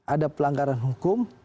ada pelanggaran hukum